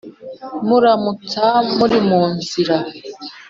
Muramutsa muri mu nzira